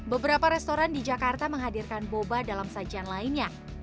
beberapa restoran di jakarta menghadirkan boba dalam sajian lainnya